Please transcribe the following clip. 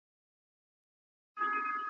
پرون هېر سو نن هم تېر دی ګړی بل ګړی ماښام دی ,